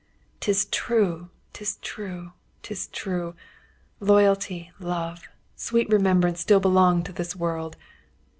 'Tis true, 'tis true, 'tis true loyalty, love, sweet remembrance still belong to this world!